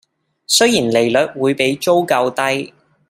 雖然利率會比租購低